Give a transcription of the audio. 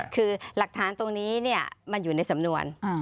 คือหลักฐานตรงนี้มันอยู่ในสำนวน